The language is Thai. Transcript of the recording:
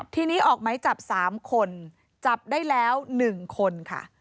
ทีนี้ออกไหมจับ๓คนจับได้แล้ว๑คนค่ะ